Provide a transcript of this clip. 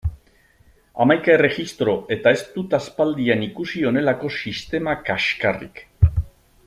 Hamaika erregistro eta ez dut aspaldian ikusi honelako sistema kaxkarrik!